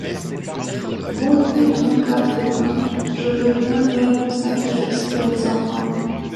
Bon ! mettons quatre-vingts, je veux bien faire un sacrifice pour mes enfants.